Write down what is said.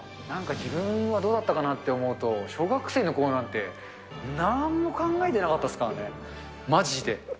なんか自分はどうだったかなって思うと、小学生のころなんて、なんも考えてなかったっすからね、まじで。